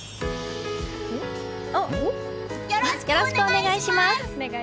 よろしくお願いします！